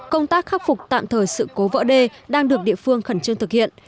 công tác khắc phục tạm thời sự cố vỡ đê đang được địa phương khẩn trương thực hiện